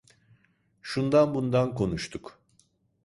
Şundan bundan konuştuk.